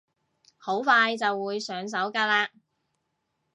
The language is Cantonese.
好快就會上手㗎喇